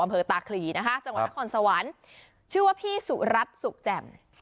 จังหวัดนครสวรรค์ชื่อว่าพี่สุรัตน์สุขแจ่ม